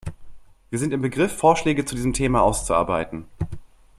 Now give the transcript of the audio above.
Wir sind im Begriff, Vorschläge zu diesem Thema auszuarbeiten.